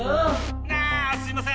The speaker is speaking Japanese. ああすいません